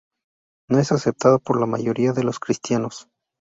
No es aceptada por la mayoría de los cristianos.